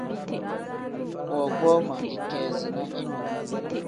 Woogboo ma ikeezina inewu.